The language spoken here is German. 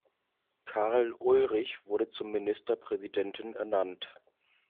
Carl Ulrich wurde zum Ministerpräsidenten ernannt.